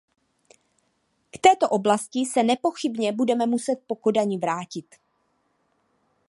K této oblasti se nepochybně budeme muset po Kodani vrátit.